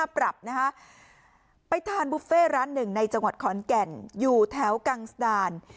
ปรับนะฮะไปทานบุฟเฟ่ร้านหนึ่งในจังหวัดขอนแก่นอยู่แถวกังสดาน